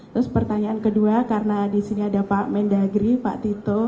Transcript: terus pertanyaan kedua karena di sini ada pak mendagri pak tito